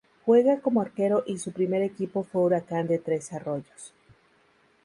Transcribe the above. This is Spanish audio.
Juega como arquero y su primer equipo fue Huracán de Tres Arroyos.